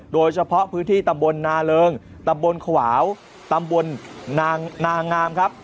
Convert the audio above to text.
โดยเฉพาะพื้นที่ตำบลนาเริงตำบลขวาวตำบลนางงามครับ